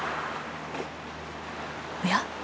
おや？